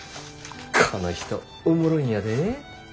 この人おもろいんやで。